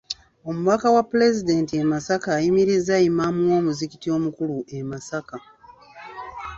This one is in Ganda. Omubaka wa Pulezidenti e Masaka ayimirizza Imam w'omuzikiti omukulu e Masaka.